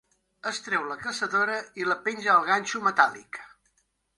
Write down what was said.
Es treu la caçadora i la penja al ganxo metàl·lic.